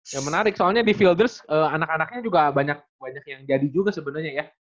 yang menarik soalnya di fielders anak anaknya juga banyak yang jadi juga sebenarnya ya